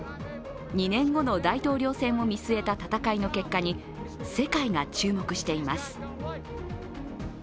２年後の大統領選を見据えた戦いの結果に世界が注目しています。